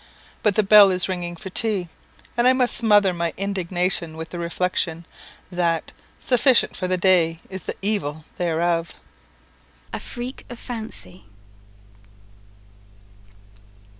But the bell is ringing for tea, and I must smother my indignation with the reflection, that "sufficient for the day is the evil thereof." A Freak Of Fancy.